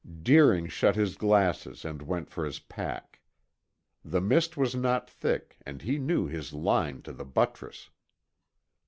Deering shut his glasses and went for his pack. The mist was not thick and he knew his line to the buttress.